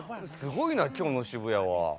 すごいな今日の渋谷は。